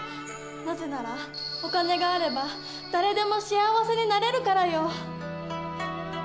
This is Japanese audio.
なぜならお金があれば誰でも幸せになれるからよ。